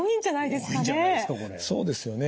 そうですよね。